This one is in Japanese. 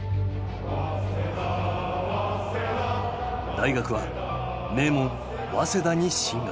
大学は名門早稲田に進学。